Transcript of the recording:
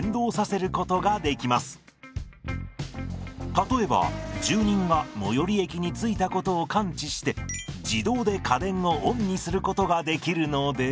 例えば住人が最寄り駅に着いたことを感知して自動で家電をオンにすることができるので。